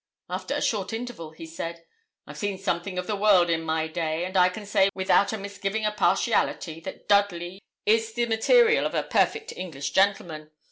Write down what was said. After a short interval he said 'I've seen something of the world in my day, and I can say without a misgiving of partiality, that Dudley is the material of a perfect English gentleman.